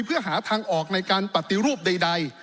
เพื่อหาทางออกในการปฏิรูปใด